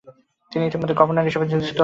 তিনি ইতোমধ্যেই গভর্নর হিসেবে নিযুক্ত ছিলেন।